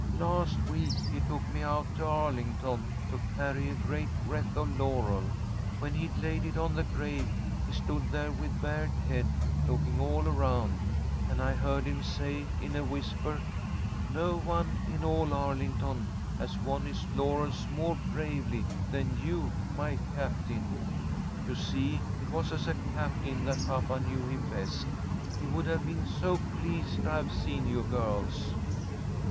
"Last week he took me out to Arlington to carry a great wreath of laurel. When he'd laid it on the grave, he stood there with bared head, looking all around, and I heard him say, in a whisper, 'No one in all Arlington has won his laurels more bravely than you, my captain.' You see it was as a captain that papa knew him best. He would have been so pleased to have seen you girls."